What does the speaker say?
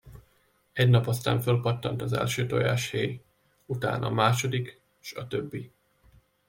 Egy nap aztán fölpattant az első tojáshéj, utána a második, s a többi.